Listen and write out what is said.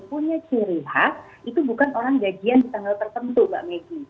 punya ciri khas itu bukan orang gajian di tanggal tertentu mbak meggy